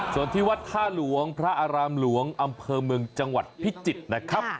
ส่วนที่วัดท่าหลวงพระอารามหลวงอำเภอเมืองจังหวัดพิจิตรนะครับ